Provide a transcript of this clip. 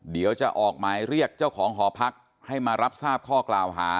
เดี๋ยวจะออกหมายเรียกเจ้าของหอพักให้มารับทราบข้อกล่าวหา